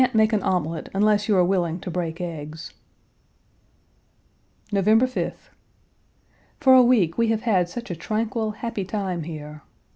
Page 250 that you can't make an omelet unless you are willing to break eggs. November 5th. For a week we have had such a tranquil, happy time here.